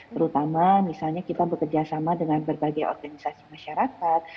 terutama misalnya kita bekerjasama dengan berbagai organisasi masyarakat